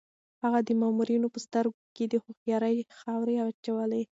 هغه د مامورانو په سترګو کې د هوښيارۍ خاورې واچولې.